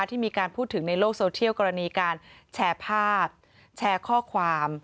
ที่มีการพูดถึงในโลกโซเทียลกรณีการแชร์ภาพแชร์ข้อความ